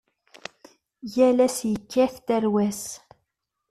Yal ass yekkat tarwa-s.